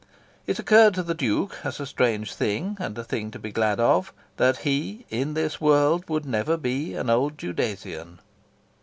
It occurred to the Duke as a strange thing, and a thing to be glad of, that he, in this world, would never be an Old Judasian.